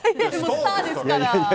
スターですから。